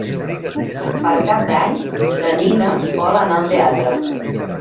Per Cap d'Any na Nina vol anar al teatre.